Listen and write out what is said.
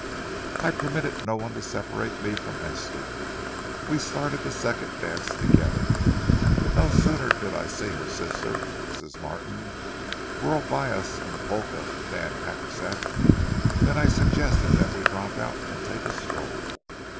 I permitted no one to separate me from Esther. We started the second dance together, but no sooner did I see her sister, Mrs. Martin, whirl by us in the polka with Dan Happersett, than I suggested that we drop out and take a stroll.